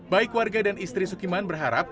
baik warga dan istri sukiman berharap